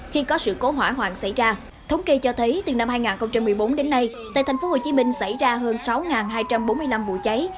sau hỏa hoạn xảy ra thống kỳ cho thấy từ năm hai nghìn một mươi bốn đến nay tại thành phố hồ chí minh xảy ra hơn sáu hai trăm bốn mươi năm vụ cháy